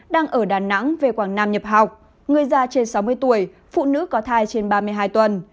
đang ở đà nẵng về quảng nam nhập học người già trên sáu mươi tuổi phụ nữ có thai trên ba mươi hai tuần